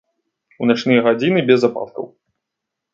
У начныя гадзіны без ападкаў.